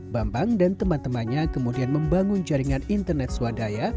bambang dan teman temannya kemudian membangun jaringan internet swadaya